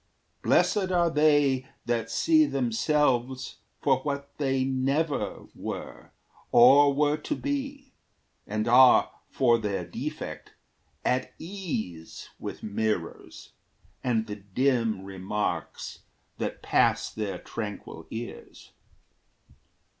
Blessed are they That see themselves for what they never were Or were to be, and are, for their defect, At ease with mirrors and the dim remarks That pass their tranquil ears."